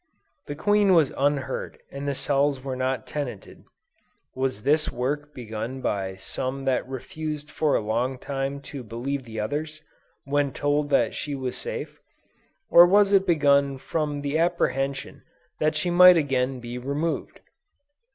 The queen was unhurt and the cells were not tenanted. Was this work begun by some that refused for a long time to believe the others, when told that she was safe? Or was it begun from the apprehension that she might again be removed?